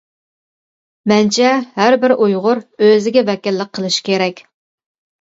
مەنچە ھەر بىر ئۇيغۇر ئۆزىگە ۋەكىللىك قىلىشى كېرەك.